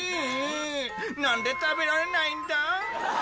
なんで食べられないんだ！？